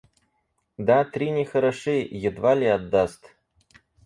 Да три не хороши, едва ли отдаст.